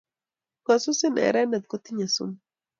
Ngosusin erenet kotinyei sumu